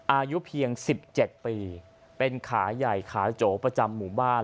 อายุเพียง๑๗ปีเป็นขาใหญ่ขาโจประจำหมู่บ้าน